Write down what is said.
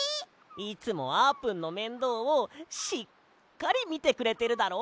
いつもあーぷんのめんどうをしっかりみてくれてるだろ？